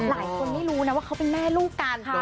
หลายคนไม่รู้นะว่าเขาเป็นแม่ลูกกัน